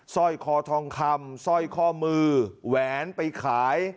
สร้อยคอทองคำสร้อยข้อมือแหวนไปขาย